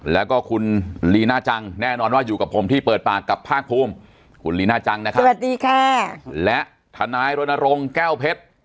แล้วก็คุณลีน่าจังแน่นอนว่าอยู่กับผมที่เปิดปากกับภาคภูมิคุณลีน่าจังนะครับสวัสดีค่ะและทนายรณรงค์แก้วเพชร